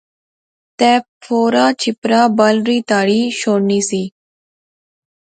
تہ فورا چھپرا بل ری تہری شوڑنی سی